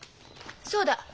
そうだ。